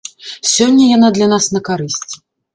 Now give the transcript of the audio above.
Сёння яна для нас на карысць.